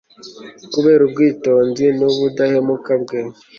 kubera ubwitonzi n'ubudahemuka bwe